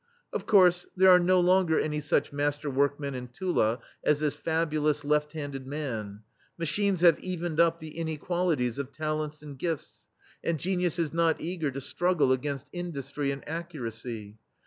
Of course, there are no longer any such master workmen in Tula as this fabu lous, left handed man; machines have evened up the inequalities of talents and gifts, and genius is not eager to struggle against industry and accuracy.